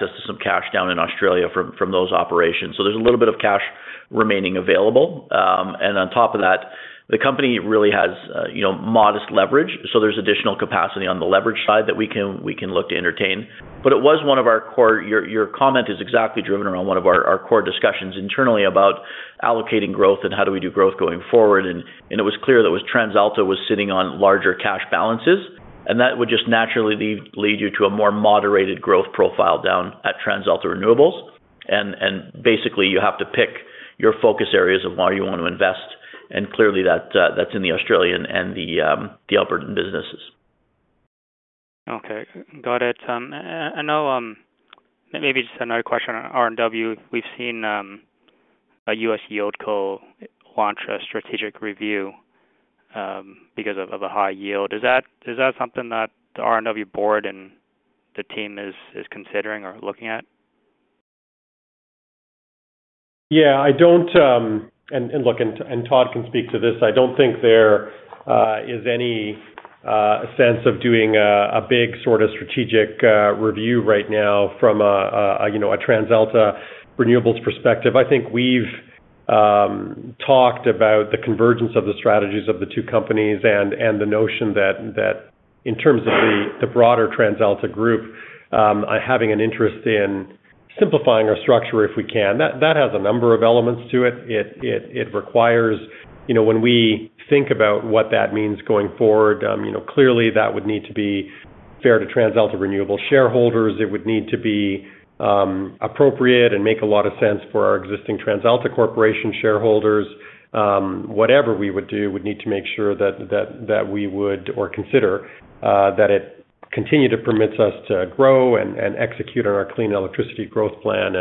to some cash down in Australia from those operations. There's a little bit of cash remaining available. On top of that, the company really has, you know, modest leverage. There's additional capacity on the leverage side that we can look to entertain. Your comment is exactly driven around one of our core discussions internally about allocating growth and how do we do growth going forward. It was clear that TransAlta was sitting on larger cash balances, and that would just naturally lead you to a more moderated growth profile down at TransAlta Renewables. Basically, you have to pick your focus areas of where you want to invest, and clearly, that's in the Australian and the Albertan businesses. Okay. Got it. And now, maybe just another question on RNW. We've seen a U.S. YieldCo launch a strategic review because of a high yield. Is that something that the RNW board and the team is considering or looking at? Yeah. I don't. Todd can speak to this. I don't think there is any sense of doing a big sort of strategic review right now from a, you know, a TransAlta Renewables perspective. I think we've talked about the convergence of the strategies of the two companies and the notion that in terms of the broader TransAlta group, having an interest in simplifying our structure if we can. That has a number of elements to it. It requires. You know, when we think about what that means going forward, you know, clearly that would need to be fair to TransAlta Renewables shareholders. It would need to be appropriate and make a lot of sense for our existing TransAlta Corporation shareholders. Whatever we would do, we need to make sure that we would or consider that it continue to permits us to grow and execute on our clean electricity growth plan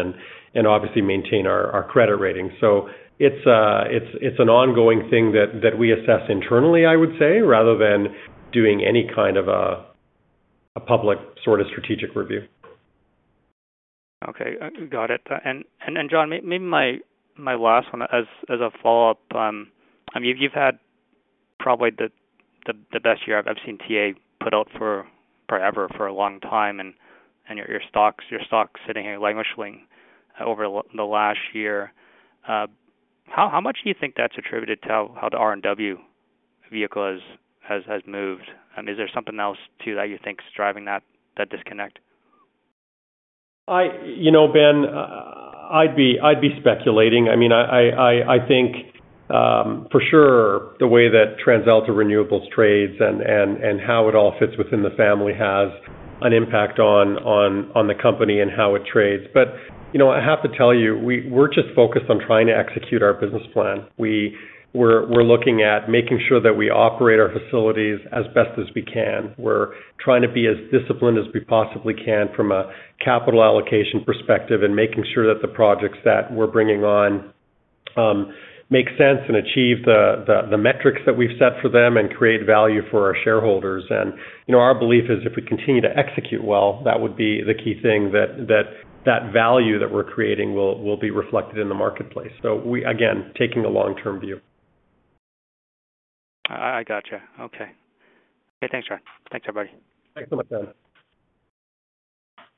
and obviously maintain our credit rating. It's an ongoing thing that we assess internally, I would say, rather than doing any kind of a public sort of strategic review. Okay. Got it. John, I mean, probably the best year I've seen TA put out for ever, for a long time, and your stocks sitting here languishing over the last year. How much do you think that's attributed to how the RNW vehicle has moved? Is there something else too that you think is driving that disconnect? You know, Ben, I'd be speculating. I mean, I think, for sure the way that TransAlta Renewables trades and how it all fits within the family has an impact on the company and how it trades. You know, I have to tell you, we're just focused on trying to execute our business plan. We're looking at making sure that we operate our facilities as best as we can. We're trying to be as disciplined as we possibly can from a capital allocation perspective and making sure that the projects that we're bringing on make sense and achieve the metrics that we've set for them and create value for our shareholders. You know, our belief is if we continue to execute well, that would be the key thing that value that we're creating will be reflected in the marketplace. Again, taking a long-term view. I gotcha. Okay. Okay, thanks, John. Thanks, everybody. Thanks so much, Ben.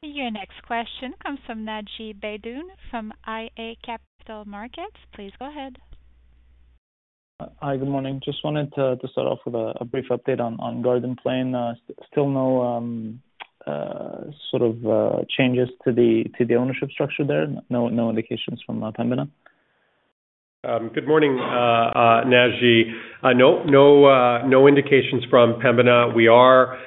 Your next question comes from Naji Baydoun from iA Capital Markets. Please go ahead. Hi. Good morning. Just wanted to start off with a brief update on Garden Plain. Still no sort of changes to the ownership structure there? No indications from Pembina? Good morning, Naji. No, no indications from Pembina. We are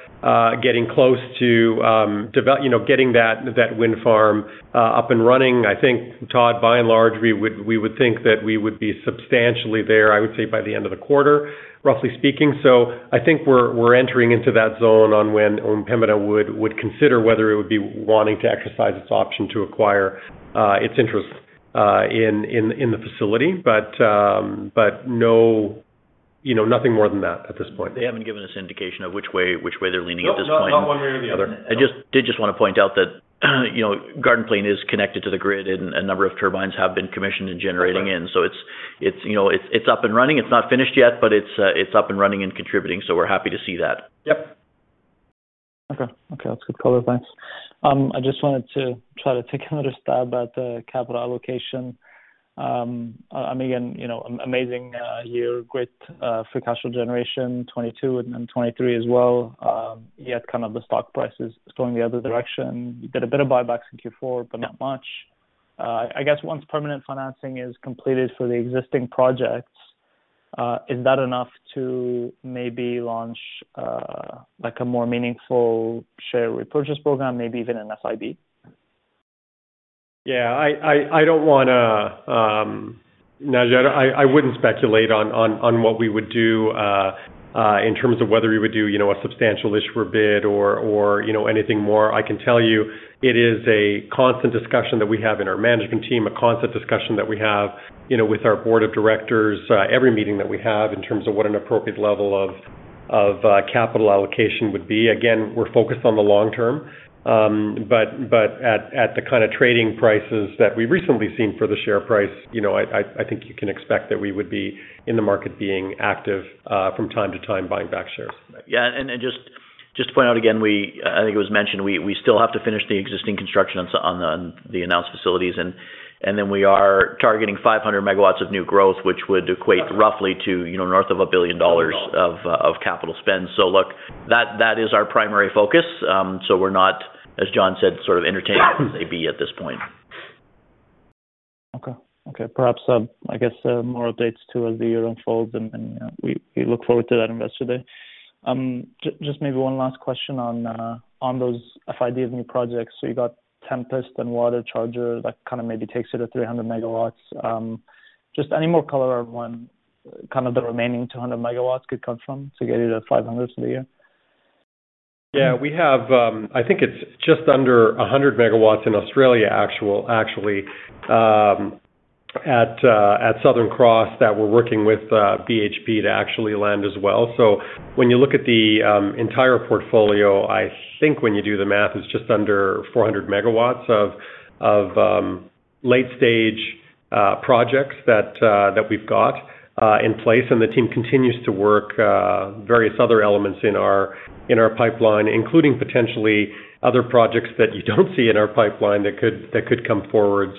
getting close to, you know, getting that wind farm up and running. I think, Todd, by and large, we would think that we would be substantially there, I would say by the end of the quarter, roughly speaking. I think we're entering into that zone on when Pembina would consider whether it would be wanting to exercise its option to acquire its interest in the facility. No, you know, nothing more than that at this point. They haven't given us indication of which way they're leaning at this point. No, not one way or the other. I did just want to point out that, you know, Garden Plain is connected to the grid and a number of turbines have been commissioned and generating in. That's right. It's, you know, it's up and running. It's not finished yet, but it's up and running and contributing, we're happy to see that. Yep. Okay. Okay, that's good color. Thanks. I just wanted to try to take another stab at the capital allocation. I mean, you know, amazing year. Great free cash flow generation, 2022 and 2023 as well. yet kind of the stock price is going the other direction. You did a bit of buybacks in Q4, but not much. I guess once permanent financing is completed for the existing projects, is that enough to maybe launch like a more meaningful share repurchase program, maybe even an SIB? I don't wanna Naji, I wouldn't speculate on what we would do in terms of whether we would do, you know, a substantial issue for bid or, you know, anything more. I can tell you it is a constant discussion that we have in our management team, a constant discussion that we have, you know, with our board of directors, every meeting that we have in terms of what an appropriate level of capital allocation would be. We're focused on the long term. At the kinda trading prices that we've recently seen for the share price, you know, I think you can expect that we would be in the market being active from time to time buying back shares. Yeah. Just to point out again, I think it was mentioned, we still have to finish the existing construction on the announced facilities. Then we are targeting 500 MW of new growth, which would equate roughly to, you know, north of 1 billion dollars. $1 billion. of capital spend. Look, that is our primary focus. We're not, as John said, sort of entertaining at this point. Perhaps, I guess, more updates too as the year unfolds and we look forward to that Investor Day. Just maybe one last question on those FIDs new projects. You got Tempest and Watercharger, that kinda maybe takes you to 300 MW. Just any more color on when kind of the remaining 200 MW could come from to get you to 500 for the year? Yeah. We have, I think it's just under 100 MW in Australia actually, at Southern Cross that we're working with BHP to actually land as well. When you look at the entire portfolio, I think when you do the math, it's just under 400 MW of late stage projects that we've got in place. The team continues to work various other elements in our pipeline, including potentially other projects that you don't see in our pipeline that could come forward.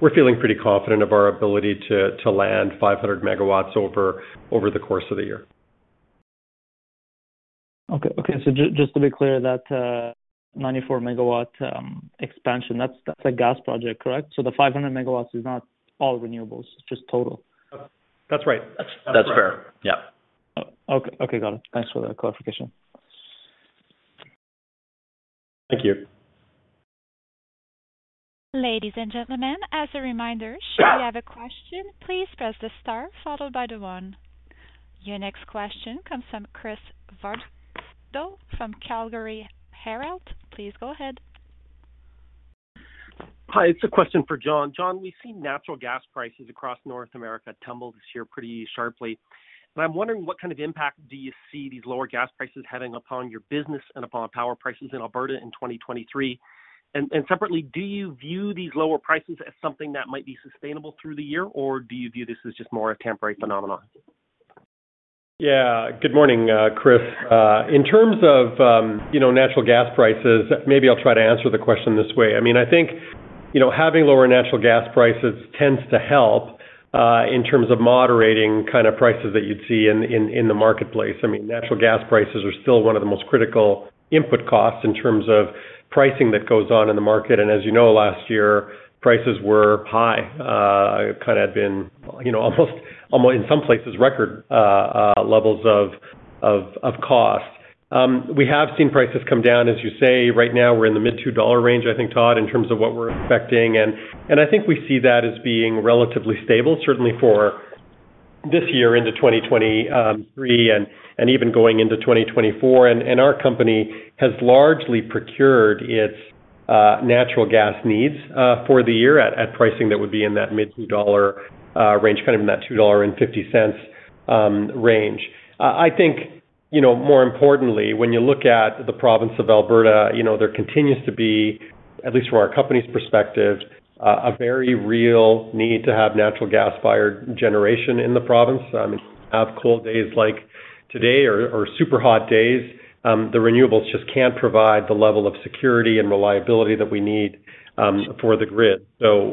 We're feeling pretty confident of our ability to land 500 MW over the course of the year. Okay. Okay. Just to be clear, that 94 MW expansion, that's a gas project, correct? The 500 MW is not all renewables, it's just total? That's right. That's fair. Yeah. Oh, okay. Okay, got it. Thanks for the clarification. Thank you. Ladies and gentlemen, as a reminder, should you have a question, please press the star followed by the one. Your next question comes from Chris Varcoe from Calgary Herald. Please go ahead. Hi. It's a question for John. John, we've seen natural gas prices across North America tumble this year pretty sharply. I'm wondering what kind of impact do you see these lower gas prices having upon your business and upon power prices in Alberta in 2023? Separately, do you view these lower prices as something that might be sustainable through the year? Or do you view this as just more a temporary phenomenon? Yeah. Good morning, Chris. In terms of, you know, natural gas prices, maybe I'll try to answer the question this way. I mean, I think, you know, having lower natural gas prices tends to help in terms of moderating kind of prices that you'd see in, in the marketplace. I mean, natural gas prices are still one of the most critical input costs in terms of pricing that goes on in the market. As you know, last year, prices were high. Kind of been, you know, almost in some places, record levels of cost. We have seen prices come down. As you say, right now, we're in the mid $2 range, I think, Todd, in terms of what we're expecting. I think we see that as being relatively stable, certainly for this year into 2023 and even going into 2024. Our company has largely procured its natural gas needs for the year at pricing that would be in that mid 2 dollar range, kind of in that 2.50 dollar range. I think, you know, more importantly, when you look at the province of Alberta, you know, there continues to be, at least from our company's perspective, a very real need to have natural gas-fired generation in the province. Have cold days like today or super hot days, the renewables just can't provide the level of security and reliability that we need for the grid.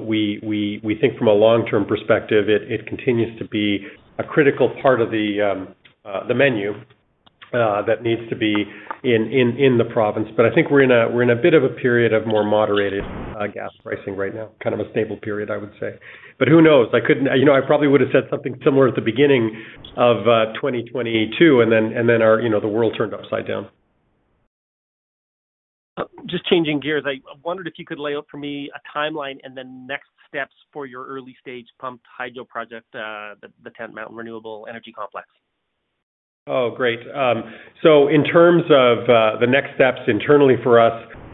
We think from a long-term perspective, it continues to be a critical part of the menu that needs to be in the province. I think we're in a bit of a period of more moderated gas pricing right now, kind of a stable period, I would say. Who knows? You know, I probably would have said something similar at the beginning of 2022, and then our, you know, the world turned upside down. Just changing gears, I wondered if you could lay out for me a timeline and the next steps for your early-stage pumped hydro project, the Tent Mountain Renewable Energy Complex. Oh, great. In terms of the next steps internally for us,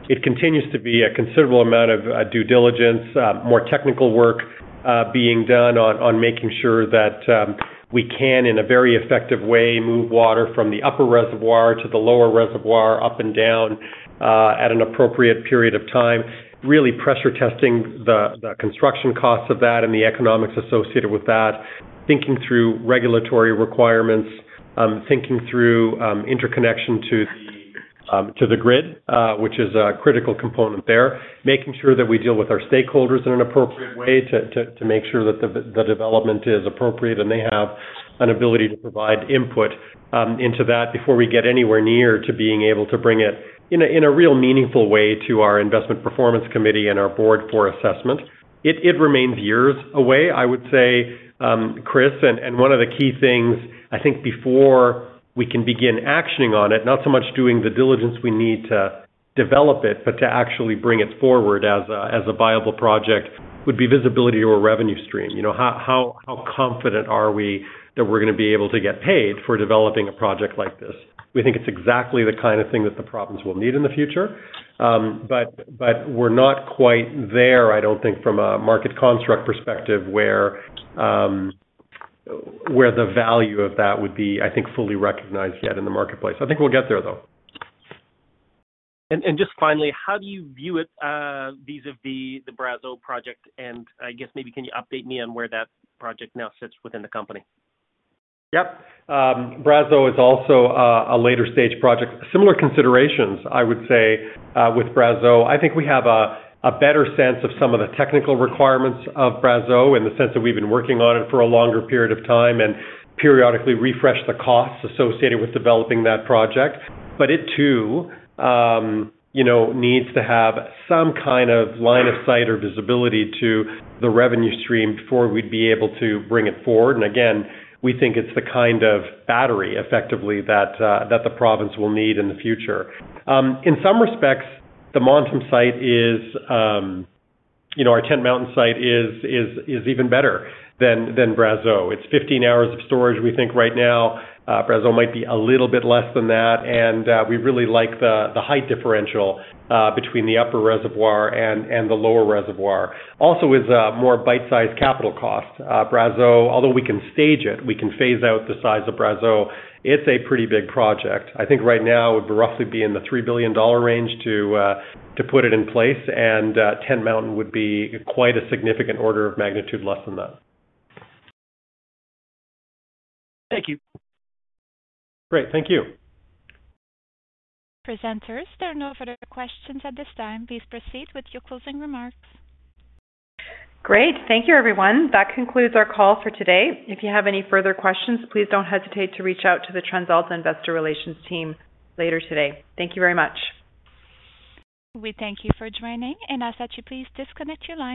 it continues to be a considerable amount of due diligence, more technical work being done on making sure that we can, in a very effective way, move water from the upper reservoir to the lower reservoir up and down at an appropriate period of time, really pressure testing the construction costs of that and the economics associated with that, thinking through regulatory requirements, thinking through interconnection to the grid, which is a critical component there. Making sure that we deal with our stakeholders in an appropriate way to make sure that the development is appropriate and they have an ability to provide input into that before we get anywhere near to being able to bring it in a real meaningful way to our investment performance committee and our board for assessment. It remains years away, I would say, Chris, and one of the key things, I think before we can begin actioning on it, not so much doing the diligence we need to develop it, but to actually bring it forward as a viable project would be visibility or revenue stream. You know, how confident are we that we're gonna be able to get paid for developing a project like this? We think it's exactly the kind of thing that the province will need in the future. We're not quite there, I don't think from a market construct perspective, where the value of that would be, I think, fully recognized yet in the marketplace. I think we'll get there, though. Just finally, how do you view it vis-a-vis the Brazeau project? I guess maybe can you update me on where that project now sits within the company? Yep. Brazeau is also a later stage project. Similar considerations, I would say, with Brazeau. I think we have a better sense of some of the technical requirements of Brazeau in the sense that we've been working on it for a longer period of time and periodically refresh the costs associated with developing that project. It too, you know, needs to have some kind of line of sight or visibility to the revenue stream before we'd be able to bring it forward. Again, we think it's the kind of battery effectively that the province will need in the future. In some respects, the Montem site is, you know, our Tent Mountain site is even better than Brazeau. It's 15 hours of storage, we think right now. Brazeau might be a little bit less than that. We really like the height differential between the upper reservoir and the lower reservoir. Also is a more bite-sized capital cost. Brazeau, although we can stage it, we can phase out the size of Brazeau, it's a pretty big project. I think right now it would roughly be in the $3 billion range to put it in place. Tent Mountain would be quite a significant order of magnitude less than that. Thank you. Great. Thank you. Presenters, there are no further questions at this time. Please proceed with your closing remarks. Great. Thank you, everyone. That concludes our call for today. If you have any further questions, please don't hesitate to reach out to the TransAlta investor relations team later today. Thank you very much. We thank you for joining and ask that you please disconnect your lines.